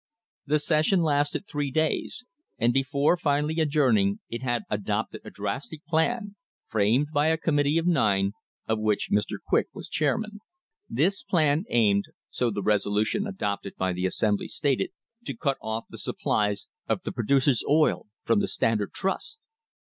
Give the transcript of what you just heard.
The session lasted three days, and before finally adjourning it had adopted a drastic plan, framed by a committee of nine, of which Mr. Quick was chairman. This plan aimed, so the resolution adopted by the Assembly stated, to cut off the supplies of the producers' oil from the Standard Trust!